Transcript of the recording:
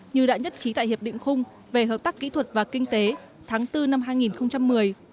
như đã nhất trí tại hiệp định khung về hợp tác kỹ thuật và kinh tế tháng bốn năm hai nghìn một mươi